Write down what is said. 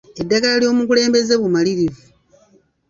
Eddagala ly'omukulembeze bumalirivu.